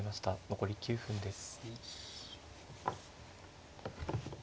残り９分です。